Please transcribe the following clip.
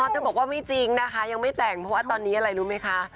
เธอบอกว่าไม่จริงนะคะยังไม่แต่งเพราะว่าตอนนี้อะไรรู้ไหมคะ